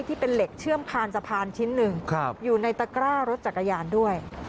ที่เป็นเหล็กเชื่อมคานสะพานชิ้นหนึ่งอยู่ในตะกร้ารถจักรยานด้วย